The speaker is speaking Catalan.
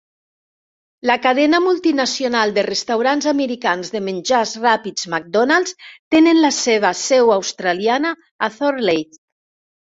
La cadena multinacional de restaurants americans de menjars ràpids McDonald's tenen la seva seu australiana a Thornleigh.